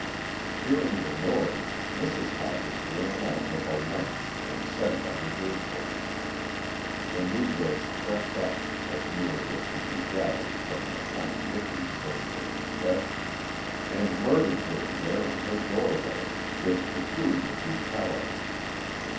Hearing the noise, Mrs. Hodges ran out with a lamp and set it on the gate post. The Negroes crept up as nearly as can be gathered from the contradictory stories and confessions and murdered her there in her doorway with peculiar brutality.